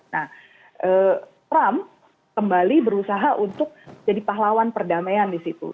nah trump kembali berusaha untuk jadi pahlawan perdamaian di situ